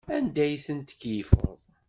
Anda ay ten-tkeyyfeḍ?